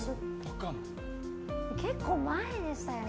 結構前でしたよね。